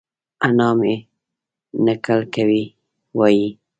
انا مې؛ نکل کوي وايي؛